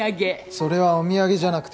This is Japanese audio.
それはお土産じゃなくて賄賂だ。